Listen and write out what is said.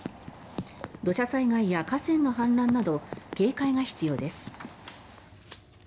土砂災害や河川の氾濫など警戒が必要です。